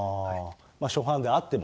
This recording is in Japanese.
初版であっても？